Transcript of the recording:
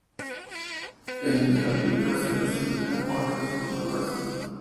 En el jardín trasero se ubican cuatro esculturas.